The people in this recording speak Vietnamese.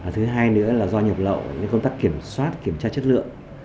thứ hai nữa là do nhập lậu công tác kiểm soát kiểm tra chất lượng